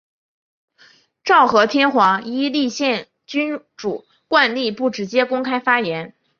昭和天皇依立宪君主惯例不直接公开发言。